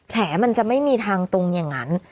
แผลมันจะไม่มีทางตรงอย่างนั้น